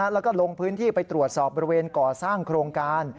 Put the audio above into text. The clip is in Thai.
แล้วก็ลงพื้นที่ไปตรวจสอบบริเวณก่อสร้างโครงการ